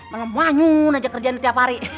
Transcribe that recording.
malem wanyun aja kerjaan tiap hari